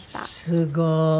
すごい。